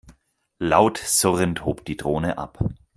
Laut surrend hob die Drohne ab.